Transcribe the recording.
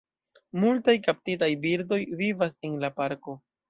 Multaj kaptitaj birdoj vivas en la parko.